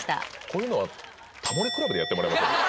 こういうのは「タモリ倶楽部」でやってもらえませんか？